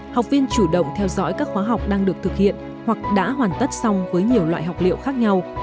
học viên chủ động theo dõi các khóa học đang được thực hiện hoặc đã hoàn tất xong với nhiều loại học liệu khác nhau